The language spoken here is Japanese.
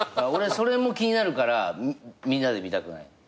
俺それも気になるからみんなで見たくない。